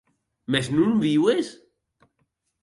Mès non viues?